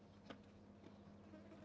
menjadi kemampuan anda